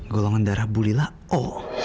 golongan darah bulila o